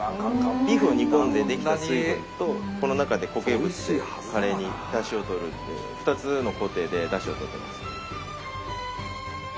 ビーフを煮込んでできた水分とこの中で固形物でカレーにだしをとるっていう２つの工程でだしをとってます。